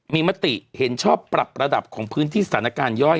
มีมติเห็นชอบปรับระดับของพื้นที่สถานการณ์ย่อย